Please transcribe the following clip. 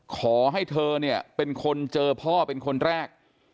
ขอให้เธอเนี่ยเป็นคนเจอพ่อเป็นคนแรก